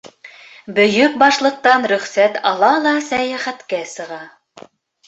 Бөйөк Башлыҡтан рөхсәт ала ла сәйәхәткә сыға.